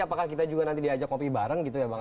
apakah kita juga nanti diajak kopi bareng gitu ya bang